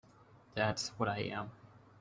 That's what I am.